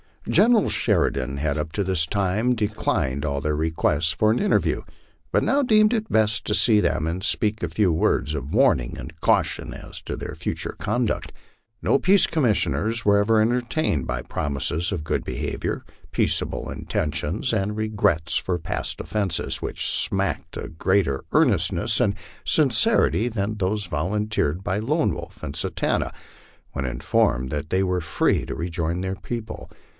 General Sheridan had up to this time declined all their requests for an interview, but now deemed it best to see them and speak a few words of warning and caution as to their future conduct. No peace commissioners were ever entertained by promises of good behavior, peaceable intentions, and regrets for past offences, which smacked of greater earnestness and sincerity than those volunteered by Lone Wolf and Satanta when inform ed that they were free to rejoin their people.